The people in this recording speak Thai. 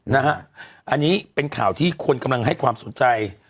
นะฮะอันนี้เป็นข่าวที่คนกำลังให้ความสนใจ